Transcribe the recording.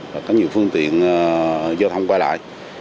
và có nhiều phương tiện giao thông qua lại